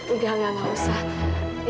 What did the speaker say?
nggak nggak nggak usah